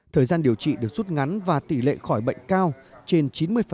thời gian điều trị được rút ngắn và tỷ lệ khỏi bệnh cao trên chín mươi